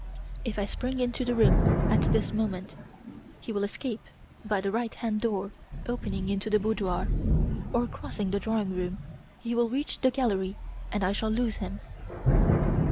"If I spring into the room at this moment, he will escape by the right hand door opening into the boudoir, or crossing the drawing room, he will reach the gallery and I shall lose him.